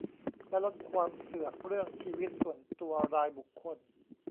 และลดความเสือกเรื่องชีวิตส่วนตัวรายบุคคล